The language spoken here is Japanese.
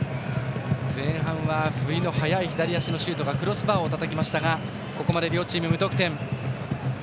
前半は振りの速い左足のシュートがクロスバーをたたきましたがここまで両チーム、無得点。